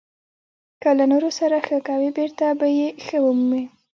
• که له نورو سره ښه کوې، بېرته به یې ښه ومومې.